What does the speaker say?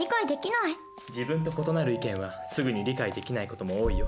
自分と異なる意見はすぐに理解できない事も多いよ。